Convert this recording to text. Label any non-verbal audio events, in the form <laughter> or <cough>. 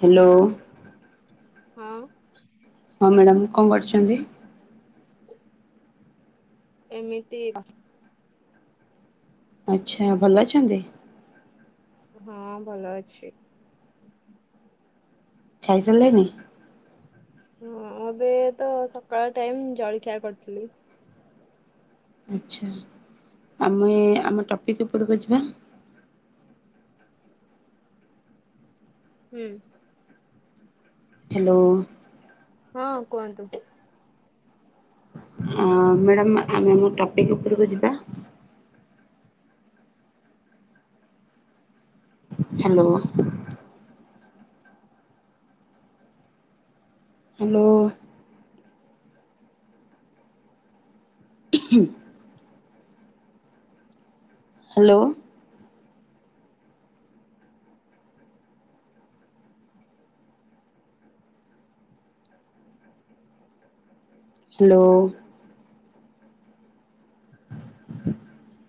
Hello. ହଁ। ହଁ madam କଣ କରିଛନ୍ତି? ଏମିତି ବ ଆଚ୍ଛା ଭଲ ଅଛନ୍ତି। ହଁ ଭଲ ଅଛି। ଖାଇ ସାରିଲେଣି। ହଁ ଏବେ ତ ସକାଳ ଟାଇମ ଜଳଖିଆ କରିଥିଲି। ଆଚ୍ଛା ଆମେ ଆମ ଟପିକ ଉପରକୁ ଯିବା। ହୁଁ। ହ୍ୟାଲୋ। ହଁ କୁହନ୍ତୁ। ହଁ ମ୍ୟାଡ଼ାମ୍ ଆମେ ଆମ ଟପିକ୍ ଉପରକୁ ଯିବା। ହ୍ୟାଲୋ। ହ୍ୟାଲୋ। ଉ ହଁ। ହାଲୋ। ହାଲୋ। <unintelligible>